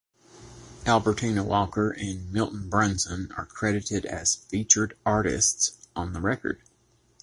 Albertina Walker and Milton Brunson are credited as featured artists on the record.